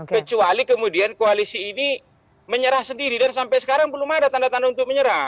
kecuali kemudian koalisi ini menyerah sendiri dan sampai sekarang belum ada tanda tanda untuk menyerang